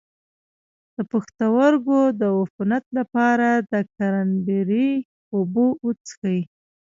د پښتورګو د عفونت لپاره د کرینبیري اوبه وڅښئ